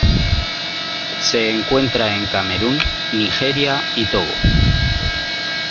Se encuentra en Camerún, Nigeria y Togo.